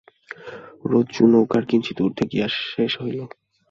রজ্জু নৌকার কিঞ্চিৎ ঊর্ধ্বে গিয়া শেষ হইল।